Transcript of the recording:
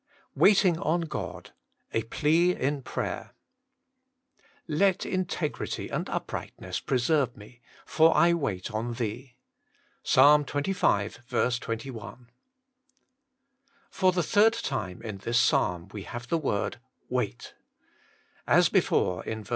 WAITING ON GOD: B plea in pra^^er* ' Let integrity and uprightness preserye me ; for I wait on Thee.'— Ps. xxv. 21. FOR the third time in this psabn we have the word wait. As before in ver.